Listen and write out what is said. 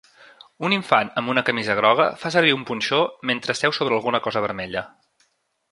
Un infant amb una camisa groga fa servir un punxó mentre seu sobre alguna cosa vermella.